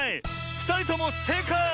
ふたりともせいかい！